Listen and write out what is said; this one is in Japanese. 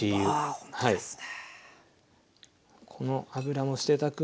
おほんとですね。